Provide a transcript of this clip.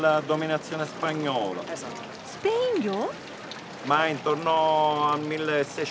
スペイン領？